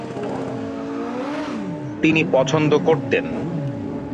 তিনি পছন্দ করতেন ।